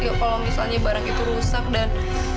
ya kalau misalnya barang itu rusak dan